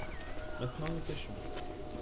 maintenant nous pêchons.